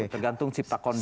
tergantung cipta kondisi